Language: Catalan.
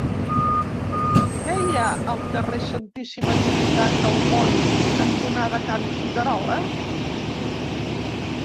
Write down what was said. Què hi ha al carrer Santíssima Trinitat del Mont cantonada Can Figuerola?